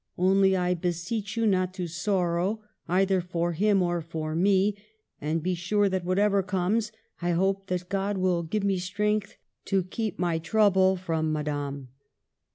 Only, I beseech you not to sorrow, either for him or for me ; and be sure that whatever comes, I hope that God will give me strength to keep my trouble from Madame."